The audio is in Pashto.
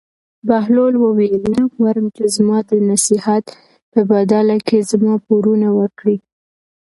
بهلول وویل: نه غواړم چې زما د نصیحت په بدله کې زما پورونه ورکړې.